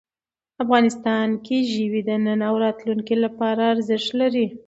افغانستان کې ژبې د نن او راتلونکي لپاره ارزښت لري.